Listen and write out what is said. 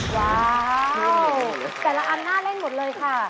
ว้าวแต่ละอันน่าเล่นหมดเลยค่ะ